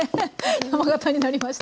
山がたになりました